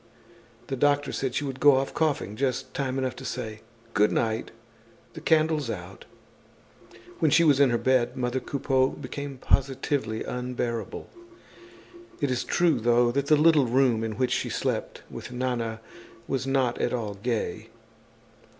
The doctor said she would go off coughing, just time enough to say: "Good night, the candle's out!" When she was in her bed mother Coupeau became positively unbearable. It is true though that the little room in which she slept with Nana was not at all gay.